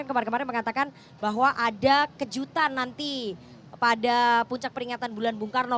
yang kemarin kemarin mengatakan bahwa ada kejutan nanti pada puncak peringatan bulan bung karno